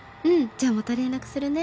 じゃあまた連絡するね。